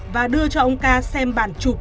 và đưa cho ông ca xem bản chụp